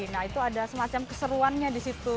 nah itu ada semacam keseruannya di situ